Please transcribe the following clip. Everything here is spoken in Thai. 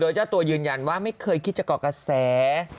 เจ้าตัวยืนยันว่าไม่เคยคิดจะเกาะกระแส